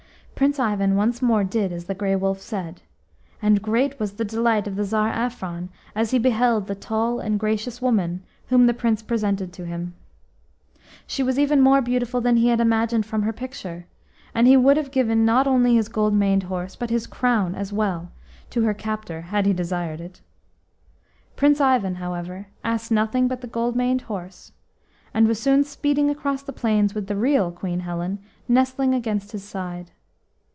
Prince Ivan once more did as the Grey Wolf said, and great was the delight of the Tsar Afron as he beheld the tall and gracious woman whom the Prince presented to him. She was even more beautiful than he had imagined from her picture, and he would have given not only his gold maned horse, but his crown as well, to her captor had he desired it. Prince Ivan, however, asked nothing but the gold maned horse, and was soon speeding across the plains with the real Queen Helen nestling against his side.